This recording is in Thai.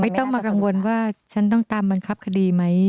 ต้องมากังวลว่าฉันต้องตามบังคับคดีไหม